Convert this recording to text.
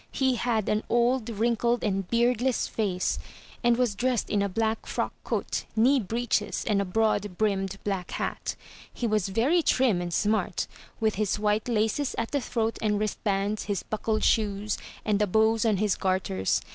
He had an old, wrinkled and beardless face, and was dressed in a black frock coat, knee breeches and 411 MY BOOK HOUSE a broad brimmed black hat. He was very trim and smart, with his white laces at the throat and wrist bands, his buckled shoes, and the bows on his garters.